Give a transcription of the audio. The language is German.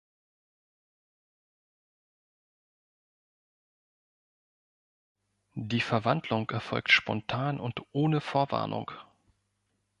Die Verwandlung erfolgt spontan und ohne Vorwarnung.